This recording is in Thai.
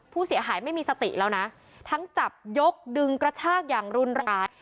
ผู้เสียหายไม่มีสติแล้วนะทั้งจับยกดึงกระชากอย่างรุนแรง